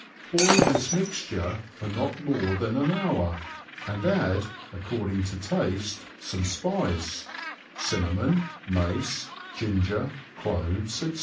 Boil this mixture for not more than an hour, and add (according to taste) some spice — cinnamon, mace, ginger, cloves, &c.